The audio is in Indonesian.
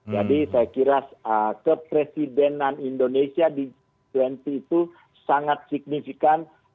jadi saya kira kepresidenan indonesia di g dua puluh itu sangat signifikan